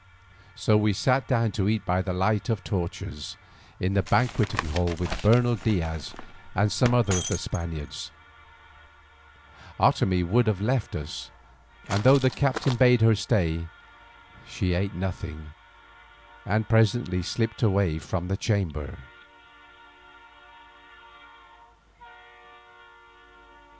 So we sat down to eat by the light of torches in the banqueting hall with Bernal Diaz and some other of the Spaniards. Otomie would have left us, and though the captain bade her stay she ate nothing, and presently slipped away from the chamber.